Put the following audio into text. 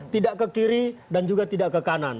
tidak ke kiri dan juga tidak ke kanan